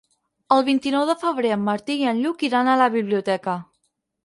El vint-i-nou de febrer en Martí i en Lluc iran a la biblioteca.